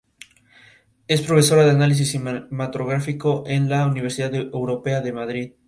Es profesora de Análisis Cinematográfico en la Universidad Europea de Madrid.